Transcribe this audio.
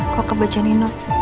kok kebacanya nol